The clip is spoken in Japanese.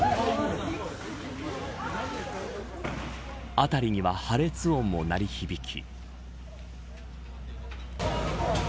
辺りには破裂音も鳴り響き。